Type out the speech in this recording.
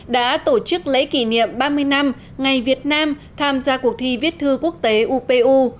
đã tổ chức lễ kỷ niệm ba mươi năm ngày việt nam tham gia cuộc thi viết thư quốc tế upu